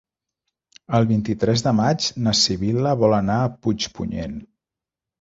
El vint-i-tres de maig na Sibil·la vol anar a Puigpunyent.